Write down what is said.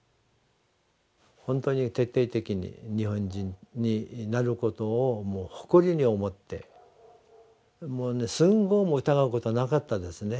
本当に徹底的に日本人になることをもう誇りに思ってもう寸毫も疑うことなかったですね。